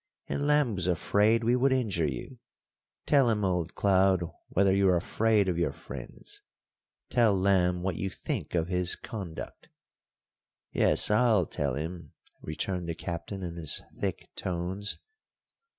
"And Lamb was afraid we would injure you. Tell him, old Cloud, whether you're afraid of your friends. Tell Lamb what you think of his conduct." "Yes, I'll tell him," returned the Captain in his thick tones.